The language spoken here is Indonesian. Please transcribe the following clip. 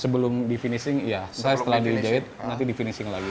sebelum di finishing ya saya setelah dijahit nanti di finishing lagi